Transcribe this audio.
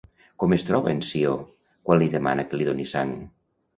Com es troba en Ció quan li demana que li doni sang?